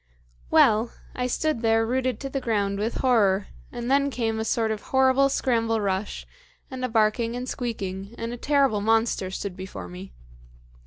"Well, I stood there rooted to the ground with horror; and then came a sort of horrible scramble rush, and a barking and squeaking, and a terrible monster stood before me.